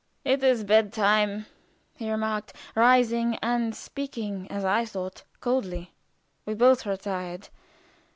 "It is bed time," he remarked, rising and speaking, as I thought, coldly. We both retired.